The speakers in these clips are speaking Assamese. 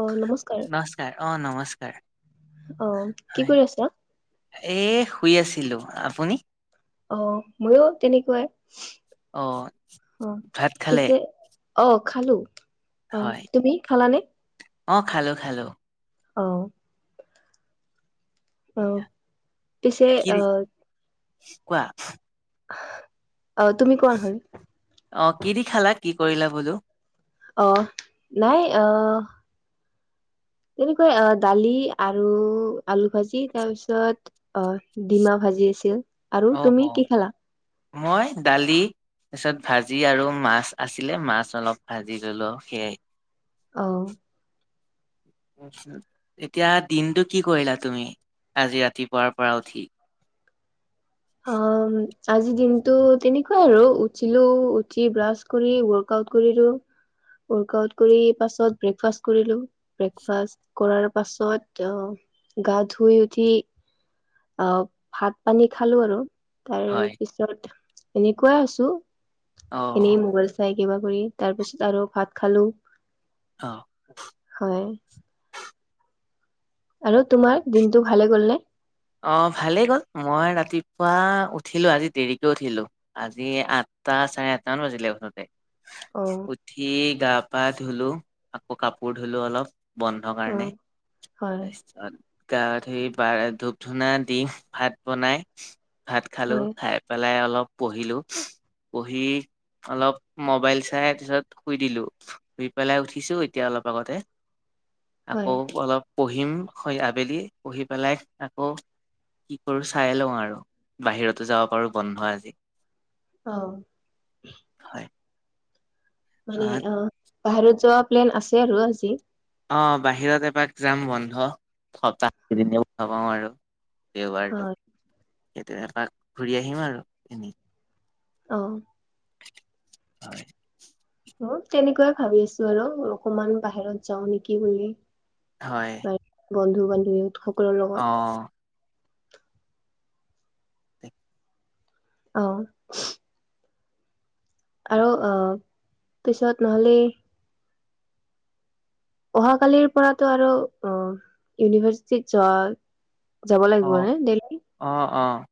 অ নমস্কাৰ নমস্কাৰ অ নমস্কাৰ। অ কি হয় কৰি আছা? এ শুই আছিলো আপুনি? অ মইয়ো তেনেকুৱাই। অ অ ভাত খালে? পিছে অ খালো অ তুমি খালানে? অঁ খালোঁ খালোঁ। অঁ। অ পিছে কি দি আহ। কোৱা? অ তুমি কোৱা হয়। অ কি দি খালা কি কৰিলা বোলো? আহ নাই আহ। তেনেকৈ আহ দালি আৰু আলু ভাজি তাৰ পিছত অ ডিমা ভাজি। আছিল আৰু অ অ তুমি কি খেলা মই দালি তাৰপিছত ভাজি আৰু মাছ আছিলে মাছ অলপ ভাজি ললো সেয়াই আহ এতিয়া দিনটো কি কৰিলা তুমি আজি ৰাতিপুৱাৰ পৰা উঠি অ আজিৰ দিনটো তেনেকুৱাই আৰু উঠিলো উঠি ব্ৰাছ কৰি ৱৰ্ক কৰিো ৱৰ্কআউট কৰি পাছত ব্ৰেকফাষ্ট কৰিলো ব্ৰেকফাষ্ট কৰাৰ পাছত গা ধুই উঠি [inaudible] হয় অ এনেই মোগল চাই কিবা কৰি তাৰ পিছত আৰু ভাত খালো অ হয় আৰু তোমাৰ দিনটো ভালে গ'ল ন অ ভালেই গ'ল মই ৰাতিপুৱা উঠিলো আজি দেৰিকে উঠিলো আজি আঠ তাত চাৰে আাতৰান বজি লৈতে অ উঠি গা পা ধুলো আকৌ কাপোৰ ধুলো অলপ বন্ধ অ কাৰণে হয় তাৰপিছত গাত সেৰি বা ধূপ ধুনা দি ভাত বনাই ভাত খালো হয় খাই পেলাই অলপ প়িলো হি অলপ মবাইল চাই পিছত শুই দিলো শুই পেলাই উঠিছো এতিয়া অলপ আগতে আকৌ হয় অলপ পঢ়িম আবেলি পঢ়ি পেলাই অ কি কৰো চাই লওঁ আৰু বাহিৰতো যাব পাৰো বন্ধ আজি অ হয় মানে অ বাহিৰত যোৱা প্লেন আছে আৰু আজি অ বাহিৰত এপাক যাম বন্ধ সপ্তাহদ পাওঁ আৰু দেওবাৰটো হয় সতিয়পাক ঘূৰি আহিম আৰু এনে অ হয় তেনেকুৱাই ভাবি আছো আৰু অকমান বাহিৰত যাও নেকি বুলি হয় বাৰু বন্ধু বান্ধী অ আহ আৰু আহ পিছত নহলে অহাকালিৰ পৰাতো আৰু অ ইউনিভাৰ্চিটিত যোৱা যাব লাগিব নে দেললি অঁ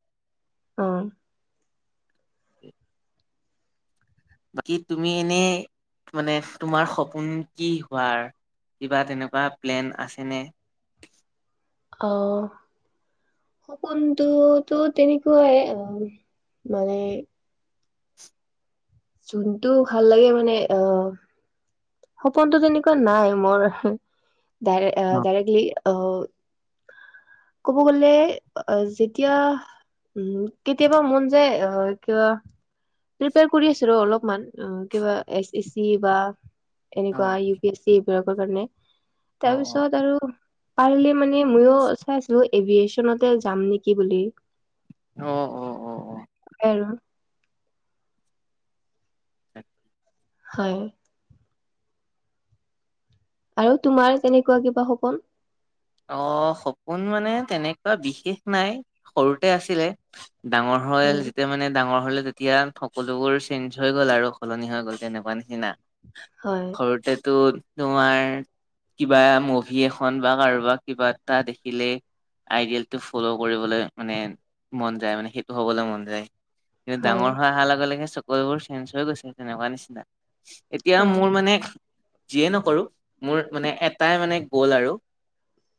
অ বাকী তুমি এনেই মানে তোমাৰ সপোন কি হোৱাৰ কিবা তেনেকুৱা প্লেন আছেনে আহ সপোনটোতো তেনেকুৱাই মানে যোনটো ভাল লাগে মানে আহ সপোনটো তেনেকুৱা নাই মোৰ অ', ডাইৰে্টলি আহ ক'ব গলে আহ যেতিয়া উম কেতিয়াবা মন যায় আহ কিবা প্ৰিপয়াৰ কৰি আছো ৰ অলপমান কিবা এ এ চি বা এনেকুৱা অ', ইউ পি এছ চি এইবিলাকৰ কাৰণে তাৰ অ', পিছত আৰু পাৰ মানে ময়ো চাইছিলো এভিয়েচনতে যাম নেকি বুলি অ', অ', অ', অ', এৰা হয় আৰু তোমাৰ তেনেকুৱা কিবা সপোন অ সপোন মানে তেনেকুৱা বিশেষ নাই সৰুতে আছিলে ডাঙৰ অ হল যেতিয়া মানে ডাঙৰ হলে তেতিয়া সকলোবোৰ চেঞ্জ হৈ গ'ল আৰু সলনি হৈ গ'ল তেনেকুৱা নিচিনা হয় সৰুতেতো তোমাৰ কিবা মুভি এখন বা কাৰোবাক কিবা এটা দেখিলে আইডিয়েলটো ফলৌ কৰিবলৈ মানে মন যায় মানে সেইটো হবলৈ মন যায় কিন্তু হয় ডাঙৰ হোৱা অহাৰ লগে লগে চকৰিবোৰ চেঞ্চ হৈ গৈছে তেনেকুৱা নিচিনা এতিয়া হয় মোৰ মানে যিয়ে নকৰো মোৰ মানে এটাই মানে গ'ল আৰু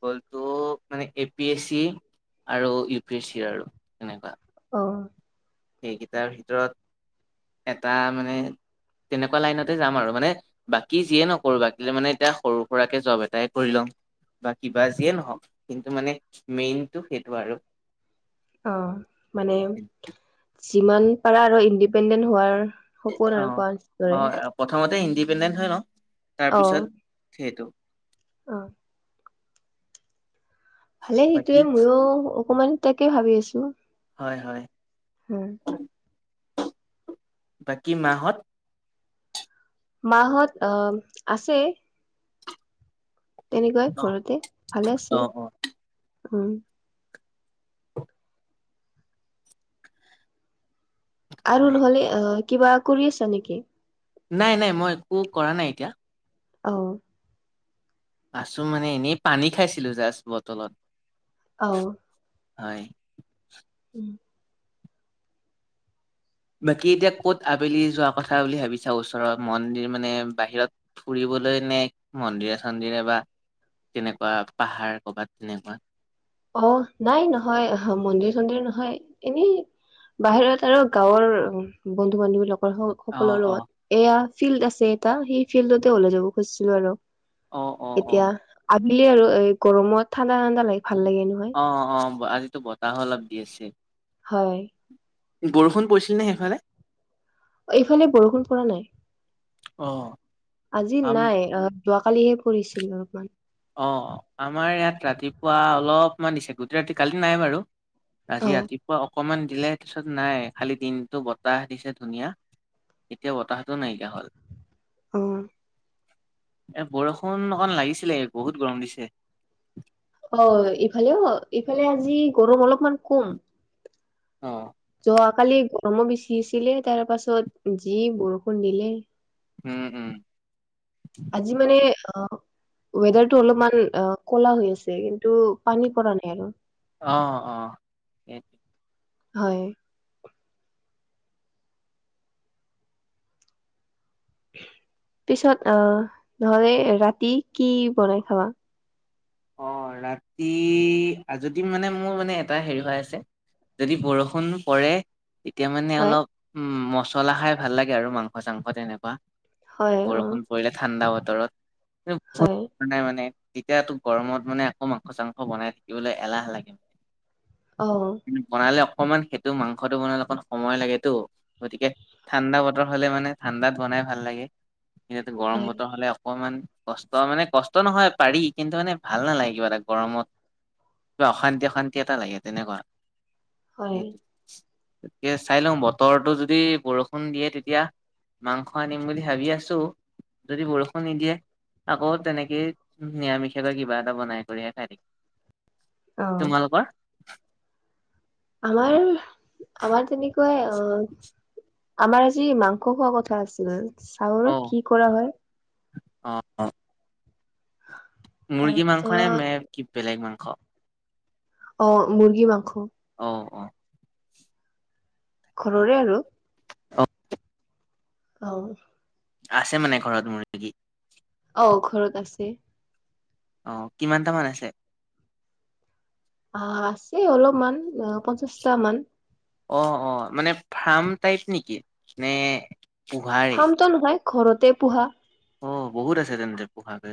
গলটো মানে এ পি এছ চি আৰু ইউ পি এছ চি আৰু তেনেকুৱা অ সেইকেইটাৰ ভিতৰত এটা মানে তেনেকুৱা লাইনতে যাম আৰু মানে বাকী যিয়ে নকৰো বাকী মানে এতিয়া সৰু সুৰাকে জব এটাই কৰি লম বা কিবা যিয়ে নহওক কিন্তু মানে মেইনটো সেইটো আৰু অ মানে যিমান পাৰা আৰু ইণ্ডিপেণ্ডেন্ট হোৱাৰ সপোন অ আৰু কোৱা অ দৰে প্ৰথমতে ইণ্ডি ইণ্ডিপেণ্ডেন্ট হৈ লও অ তাৰপিছত সেইটো অ' ভালে বাকী সেইটোৱে, ময়ো অকমান তাকে ভাবি আছিলোঁ। হয়, হয়। বাকী মা হঁত মা হঁত আছে। তেনেকুৱাই, অ ঘৰতে, ভালে অ আছে, অ উম। [inaudible] আৰু হয় নহলে, আ, কিবা কৰি আছা নেকি? নাই, নাই, মই একো কৰা নাই এতিয়া। অ' আছোঁ মানে এনেই পানী খাইছিলো জাষ্ট বটলত অ' হয় উম বাকী এতিয়া ক'ত আবেলি যোৱা কথা বুলি ভাবিছা ওচৰৰত মন্দিৰ মানে বাহিৰত ফুৰিব বলৈ নে মন্দিৰে চন্দিৰে বা তেনেকুৱা পাহাৰ কৰবাত তেনেকুৱা? অ', নাই নহয়, মন্দিৰ চন্দিৰ নহয়, এনেই বাহিৰত আৰু গাঁৱৰ বন্ধু বান্ধৱী লগ অ সকলৰ অ লগত। এয়া ফিল্ড আছে এটা সেই ফিল্ডতে ওলাই যাব খুজিছিলো আৰু অ, অ, অ। [unintelligible] এই গৰমত, ঠাণ্ডা ঠাণ্ডা লাগ অ', অ', আজিতো বতাহো অলপ দি আছে হয়। বৰষুণ পৰিছিল নে সেইফালে? এইফালে বৰষুণ পৰা নাই। অ। আজি আম নাই অহ যোৱাকালিহে পঢ়িছিল অলপমান। অ আমাৰ ইয়াত ৰাতিপুৱা অলপমান দিছে, গোটেই ৰাতি কালি নাই বাৰু। আজি অহ ৰাতিপুৱা অকমান দিলে পিছত নাই খালি দিনটো বতাহ দিছে ধুনীয়া। এতিয়া বতাহটো নাইকিয়া হল। আহ। এ বৰষুণ অকন লাগিছিলে বহুত গৰম দিছে। হয় ইফালেও ইফালে আজি গৰম অলপমান কম। অঁ। যোৱাকালি গৰমো বেছি আছিলে তাৰ পাছত যি বৰষুণ দিলে। উম উম আজি মানে অ। ৱেডাৰটো অলপমান কলা হৈ আছে কিন্তু পানী পৰা নাই। অ অ এইট হয়। পিছত আহ নহলে ৰাতি কি বনাই খাবা? অ ৰাতি আজদি মানে মোৰ মানে এটা হেৰি হৈ আছে। যদি বৰষুণ পৰে এতিয়া মানে হয় অলপ উম মছলা খাই ভাল লাগে আৰু মাংস চাংস তেনেকুৱা। হয় অ বৰষুণ পৰিলে ঠাণ্ডা বতৰত হয় [unintelligible] বনাই মানে তেতিয়াটো গৰমত মানে আকৌ মাংস চাংস বনাই থাকিবলৈ এলাহ লাগে মানে। অ কিন্তু বনাইলক অকমান সেইটো মাংসটো বনালে অকমান সময় লাগেটো। গতিকে ঠাণ্ডা বতৰ হ'লে মানে ঠাণ্ডাত বনাই এ ভাল লাগে। এনেটো গৰম হয় বতৰ হ'লে অকমান কষ্ট মানে কষ্ট নহয় পাৰি কিন্তু মানে ভাল নালাগে কিবা এটা গৰমত কিবা অশান্তি অশান্তি এটা লাগে তেনেকুৱা। হয় সেইটো কে চাই লওঁ বতৰটো যদি বৰষুণ দিয়ে তেতিয়া মাংস আনিম বুলি ভাবি আছো। যদি বৰষুণ নিদিয়ে আকৌ তেনেকেই নিৰামিষে লাগিব কিবা এটা বনাই কৰিহে খাই থাকিম অ তোমালোকৰ আমাৰ আমাৰ তেনেকুৱাই অহ আমাৰ আজি মাংস খোৱা কথা আছিল অ চাহৰ কি কৰা হয়। অ অ। মুৰ্গী তাৰপিছত মাংস নে মে কি বেলেগ মাংস? অ মুৰ্গী মাংস। অ অ। ঘৰৰে আৰু। অঁ। অ। আছে মানে ঘৰত মৰ্গী। অ ঘৰত আছে। অ কিমানটামান আছে? অ আছে অলপমান অ পঁচিশটা মান। অ অ মানে ফাৰ্ম টাইপ নেকি নে? পোহাৰে? হাম ত নহয় ঘৰতে পোহা। অ বহুত আছে তেন্তে পোহাকে।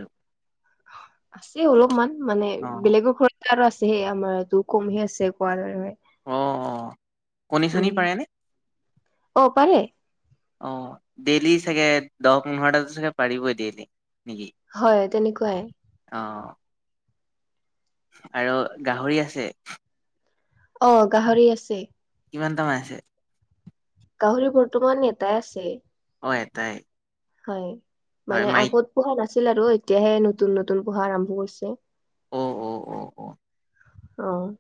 আছে অলপমান মানে অ বেলেগৰ ঘ। আৰুো আছে সে আমাৰ দু কমহে আছে কোৱাৰে। অ অ কণী চণী উম পাৰে নে? অ পাৰেে। অ ডেইলি চাগে দহ পোন্ধৰটাাত চাগে পাৰিবই ডেইলি। হয় তেনেকুৱাই। অঁ। আৰু গাহৰি আছে? অ গাহৰি আছে। কিমানটা মান আছে? গাহৰি বৰ্তমান এতাই আছে। অ এটাই। হয় হয় মানে মাইক আগত পঢ়া নাছিল আৰু এতিয়াহে নতুন নতুন পঢ়া আৰম্ভ কৰিছে। অ' অ' অ' অ' অ',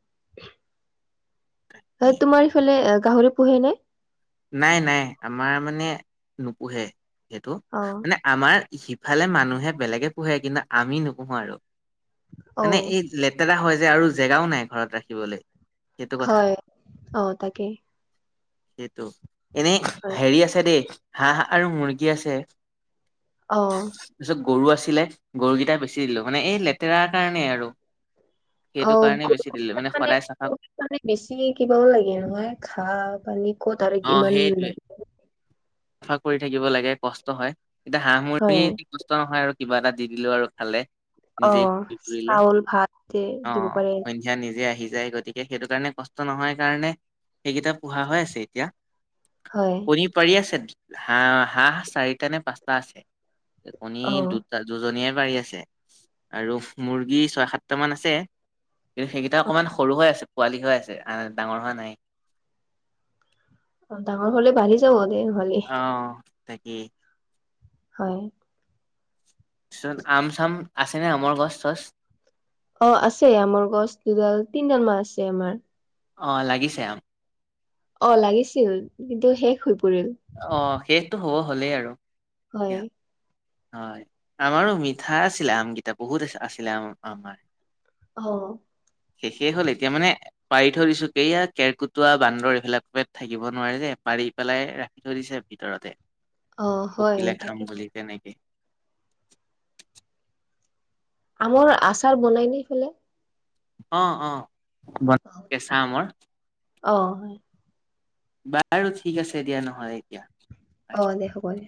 ই। হয় তোমাৰ ইফালে গাহৰি পোহে নে? নাই নাই আমাৰ মানে নোপোহে সেইটো। অ মানে আমাৰ সিফালে মানুহে বেলেগে পোহে কিন্তু আমি নোপোহো আৰু অ মানে এই লেতেৰা হয় যে আৰু জেগাও নাই ঘৰত ৰাখিবলৈ। সেইটো কথা হয় অ' তাকেই। সেইটো এনেই হেৰি আছে দেই হাঁহ আৰু মুৰ্গী আছে। অ' তাৰপিছত গৰু আছিলে গৰুকেইটা বেছি দিলোঁ মানে এই লেতেৰাৰ কাৰণেই আৰু সেইটো কাৰণেই অ বেছি দিলো মানে সদায় চফা মানে বেছি কিবাও লাগে নহয় ঘাহ পানীত অ' ক'ত আৰু ইমান চাফা কৰি থাকিব লাগে কষ্ট হয়। এতিয়া হাঁহ হয়। মূৰ্গী কষ্ট নহয় আৰু। কিবা এটা দি দিলো আৰু খালে। অ নিজেই ফৰি ফুৰিলে চাউল ভাত যে দিব পাৰে আহ সন্ধিয়া নিজে আহে। যায় গতিকে সেইটো কাৰণে কষ্ট নহয় কাৰণে সেইকেইটা পোহা হৈ আছে এতিয়া। হয় কণী পাৰি আছে হাঁহ হাঁহ চাৰিটা নে পাঁচটা আছে। এইপনি অ দুটা দুজনীয়ে পাৰি আছে আৰু মুৰ্গী ছয় সাতটা মান আছে। কিন্তু সেইকেইটা অকণমান সৰু হৈ আছে পোৱালি হৈ আছে ডাঙৰ হোৱা নাই। অ' ডাঙৰ হলে বাঢ়ি যাব দে ভালেই। অ তাকেই। হয়। তাৰছত আম চাম আছেনে আমৰ গছ চছ? অ' আছে আমৰ গছ দুডাল তিনিডাল মান আছে আমাৰ। অ' লাগিছে আহ অ' লাগিছিল কিন্তু শেষ হৈ পৰিল অ', শেষটো হ'ব হলেই আৰু হয়। এতিয়া হয় আমাৰো মিঠা আছিলে আমকেইটা বহুত আছিলে আম আমাৰ। অ', শেষেষ হ'ল এতিয়া মানে পাৰি থৈ দিছো এইয়া কেৰ্কেটুৱাটো বান্দৰ এইবিলাক থাকিব নোৱাৰে যে। পাৰি পেলাই ৰাখি ধৰিছে ভিতৰতে অ হয় পকিলে তাকে খাম বুলি তেনেকে। [inaudible] আমৰ আচাৰ বনাই নে সেইফালে? অ' অ' বনাই কেঁচা আমৰ। অ', বাৰু ঠিক আছে দিয়া নহয় এতিয়া। ৰাখিম অ' দে হ'ব দে।